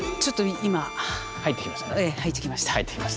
入ってきましたね。